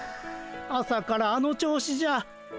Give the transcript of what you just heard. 朝からあの調子じゃ。